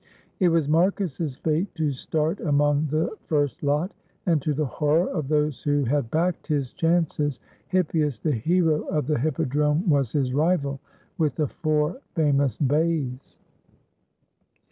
It was Marcus's fate to start among the first lot, and, to the horror of those who had backed his chances, Hippias, the hero of the hippodrome, was his rival, with the four famous bays.